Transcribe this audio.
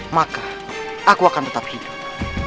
maka aku akan tetap hidup